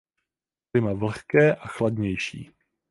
Klima vlhké a chladnější.